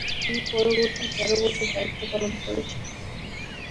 তিনি পরবর্তী তেরো বছর দায়িত্ব পালন করেছেন।